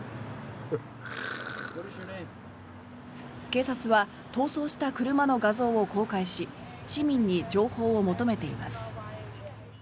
警察は逃走した車の画像を公開し市民に情報を求めています。